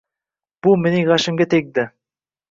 — Bu mening gʻashimga tegadi.